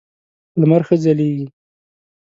لمر ښه ځلېږي .